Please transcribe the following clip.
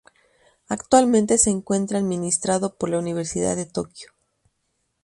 Actualmente se encuentra administrado por la Universidad de Tokio.